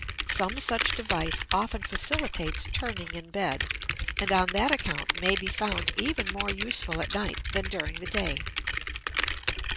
Some such device often facilitates turning in bed, and on that account may be found even more useful at night than during the day.